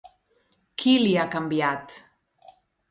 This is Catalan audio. Qui l'hi ha canviat?